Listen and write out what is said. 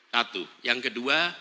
satu yang kedua